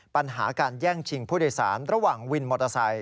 ปัญหาการแย่งชิงผู้โดยสารระหว่างวินมอเตอร์ไซค